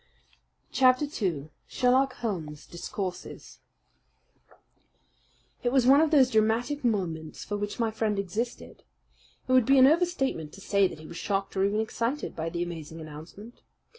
Chapter 2 Sherlock Holmes Discourses It was one of those dramatic moments for which my friend existed. It would be an overstatement to say that he was shocked or even excited by the amazing announcement.